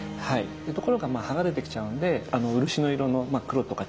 ところが剥がれてきちゃうので漆の色の黒とか茶色いね